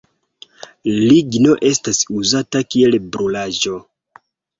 Ligno estas uzata kiel brulaĵo.